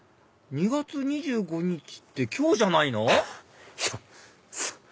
２月２５日って今日じゃないのいやそう。